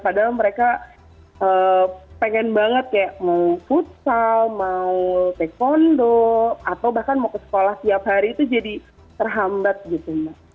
padahal mereka pengen banget kayak mau futsal mau taekwondo atau bahkan mau ke sekolah tiap hari itu jadi terhambat gitu mbak